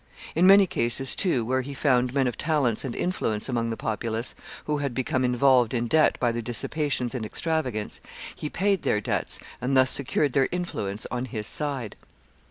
In many cases, too, where he found men of talents and influence among the populace, who had become involved in debt by their dissipations and extravagance, he paid their debts, and thus secured their influence on his side.